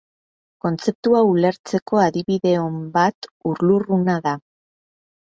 Kontzeptu hau ulertzeko adibide on bat ur-lurruna da.